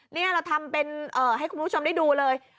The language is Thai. นี่เราทำเป็นให้คุณผู้ชมได้ดูเลย